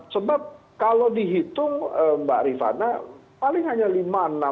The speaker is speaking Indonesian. sebab kalau dihitung mbak rifana paling hanya